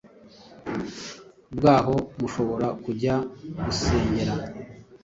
bwaho mushobora kujya gusengera .